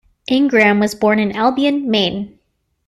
Ingraham was born in Albion, Maine.